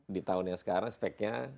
di tahun yang sekarang speknya